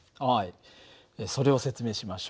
それを説明しましょう。